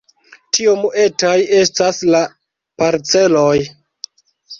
Tiom etaj estas la parceloj!